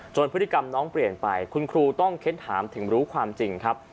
พฤติกรรมน้องเปลี่ยนไปคุณครูต้องเค้นถามถึงรู้ความจริงครับ